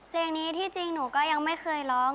เพลงนี้ที่จริงหนูก็ยังไม่เคยร้อง